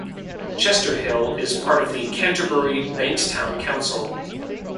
Chester Hill is part of the Canterbury-Bankstown Council.